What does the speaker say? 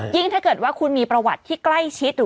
ถ้าเกิดว่าคุณมีประวัติที่ใกล้ชิดหรือ